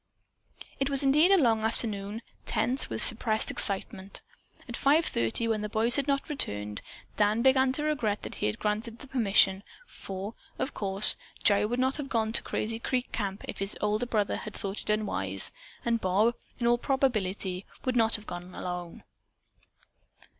It was indeed a long afternoon, tense with suppressed excitement. At five thirty, when the boys had not returned, Dan began to regret that he had granted the permission, for, of course, Gerry would not have gone to Crazy Creek Camp if his older brother had thought it unwise, and Bob, in all probability, would not have gone alone.